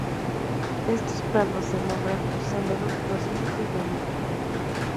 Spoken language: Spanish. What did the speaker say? Estos planos se nombran usando los índices de Miller.